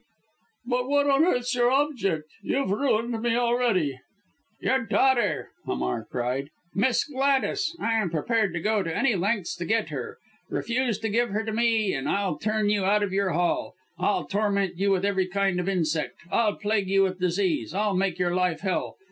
"But what on earth's your object! You've ruined me already." "Your daughter!" Hamar cried. "Miss Gladys! I am prepared to go any lengths to get her. Refuse to give her to me and I'll turn you out of your Hall, I'll torment you with every kind of insect, I'll plague you with disease, I'll make your life hell.